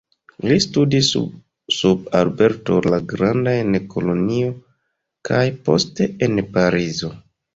Li studis sub Alberto la Granda en Kolonjo kaj poste en Parizo.